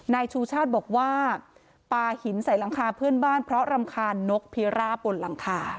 นายชูชาติบอกว่าปลาหินใส่หลังคาเพื่อนบ้านเพราะรำคาญนกพิราบนหลังคา